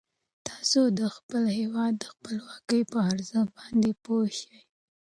تاسو د خپل هیواد د خپلواکۍ په ارزښت باندې پوه شئ.